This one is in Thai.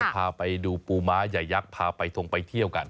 พาไปดูปูม้าใหญ่ยักษ์พาไปทงไปเที่ยวกัน